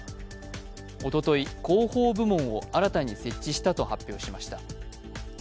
おととい、広報部門を新たに設置したと発表しました。